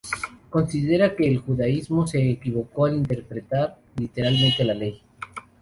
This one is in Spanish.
Considera que el judaísmo se equivocó al interpretar literalmente la Ley.